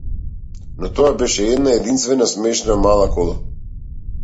Но тоа беше една единствена, смешна мала кола.